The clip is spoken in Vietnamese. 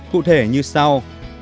cụ thể như sau